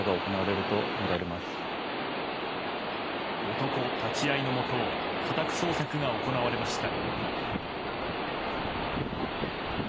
男立ち会いのもと家宅捜索が行われました。